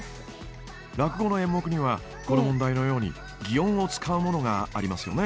落語の演目にはこの問題のように擬音を使うものがありますよね。